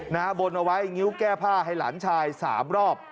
บนเอาไว้งิ้วแก้ผ้าให้หลานชายสามรอบ